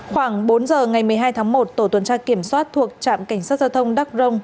khoảng bốn giờ ngày một mươi hai tháng một tổ tuần tra kiểm soát thuộc trạm cảnh sát giao thông đắc rông